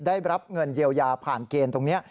ได้รับเงินเยียวยาผ่านเกณฑ์ตรงนี้